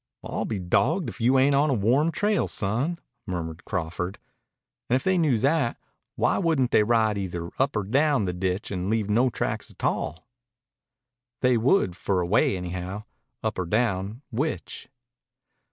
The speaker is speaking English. "I'll be dawged if you ain't on a warm trail, son," murmured Crawford. "And if they knew that, why wouldn't they ride either up or down the ditch and leave no tracks a tall?" "They would for a way, anyhow. Up or down, which?"